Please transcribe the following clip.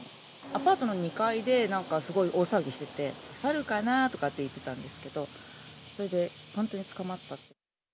アパートの２階で、なんかすごい大騒ぎしてて、サルかな？とかって言ってたんですけど、それでほんとに捕まった。